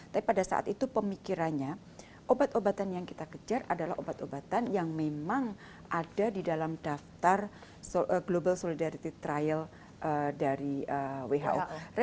tapi pada saat itu pemikirannya obat obatan yang kita kejar adalah obat obatan yang memang ada di dalam daftar global solidarity trial dari who